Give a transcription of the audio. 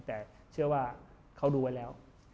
แต่เชื่อว่าเขาดูไว้แล้ว